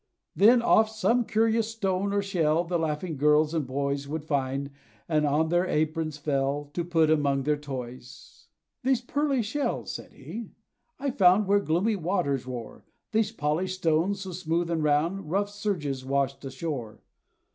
Then, oft, some curious stone, or shell, The laughing girls and boys Would find, that on their aprons fell, To put among their toys. "These pearly shells," said he, "I found Where gloomy waters roar: These polished stones, so smooth and round, Rough surges washed ashore.